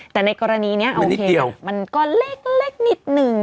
แต่ในกรณีนี้โอเคมันก็เล็กนิดนึง